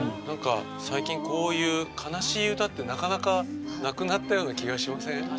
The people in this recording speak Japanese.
なんか最近こういう悲しい歌ってなかなかなくなったような気がしません？